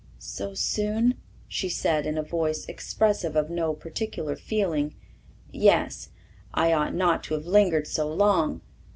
"So soon?" she said in a voice expressive of no particular feeling. "Yes. I ought not to have lingered so long.